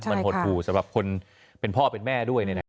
มันหดหู่สำหรับคนเป็นพ่อเป็นแม่ด้วย